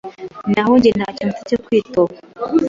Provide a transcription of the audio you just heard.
Naho njye, ntacyo mfite cyo kwitoba.